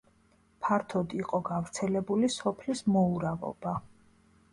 ფართოდ იყო გავრცელებული სოფლის მოურავობა.